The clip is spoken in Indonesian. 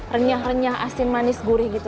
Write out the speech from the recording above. renyah renyah asin manis gurih gitu